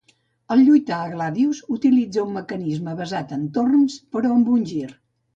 Al lluitar a "Gladius" utilitza un mecanisme basat en torns, però amb un gir.